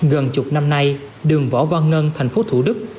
gần chục năm nay đường võ văn ngân thành phố thủ đức